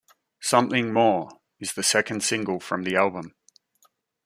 "Something More" is the second single from the album.